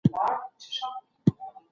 زرغون چاپیریال دانسان روغتیا ته ګټور دئ.